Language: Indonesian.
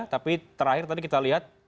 tapi terakhir tadi kita lihat